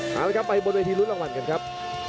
เอาละครับไปบนเวทีรุ้นรางวัลกันครับ